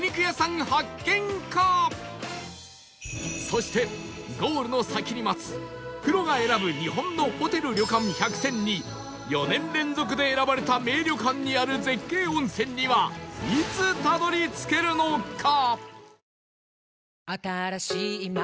そしてゴールの先に待つプロが選ぶ日本のホテル・旅館１００選に４年連続で選ばれた名旅館にある絶景温泉にはいつたどり着けるのか？